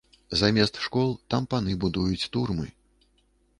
Замест школ там паны будуюць турмы.